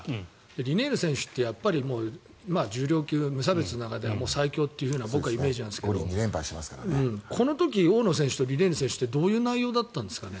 リネール選手って重量級、無差別の中では最強という僕はイメージなんですけどこの時大野選手とリネール選手ってどういう内容だったんですかね？